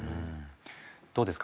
どうですか？